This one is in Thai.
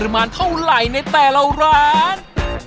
มาดูทัก